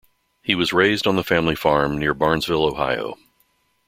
He was raised on the family farm near Barnesville, Ohio.